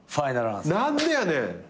何でやねん！